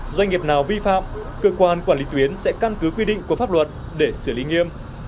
doanh nghiệp nào vi phạm cơ quan quản lý tuyến sẽ căn cứ quy định của pháp luật để xử lý nghiêm